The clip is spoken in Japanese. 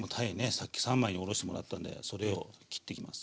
さっき三枚におろしてもらったんでそれを切っていきます。